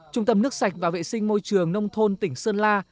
trung tâm nước sạch và vệ sinh môi trường nông thôn tỉnh sơn la